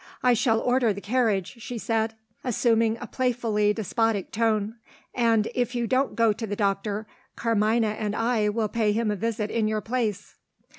"I shall order the carriage," she said, assuming a playfully despotic tone; "and, if you don't go to the doctor Carmina and I will pay him a visit in your place."